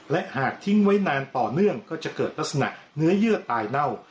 และหากทิ้งไว้นานต่อเนื่องก็จะเกิดลักษณะเนื้อเยื่อตายเน่า